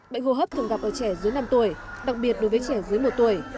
bệnh hô hấp thường gặp ở trẻ dưới năm tuổi đặc biệt đối với trẻ dưới một tuổi